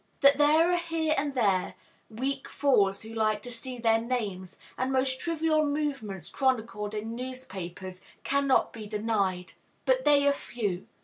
That there are here and there weak fools who like to see their names and most trivial movements chronicled in newspapers cannot be denied. But they are few.